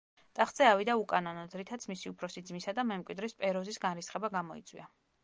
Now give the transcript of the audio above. ტახტზე ავიდა უკანონოდ, რითაც მისი უფროსი ძმისა და მემკვიდრის, პეროზის განრისხება გამოიწვია.